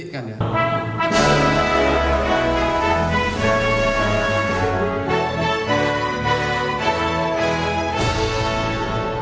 kita harus detikkan ya